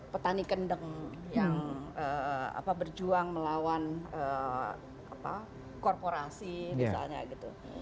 petani kendeng yang berjuang melawan korporasi misalnya gitu